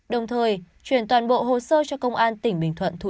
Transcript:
đồng thời chuyển toàn bộ hồ sơ cho công an tỉnh bình thuận thụ lý